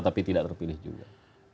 tapi tidak terpilih juga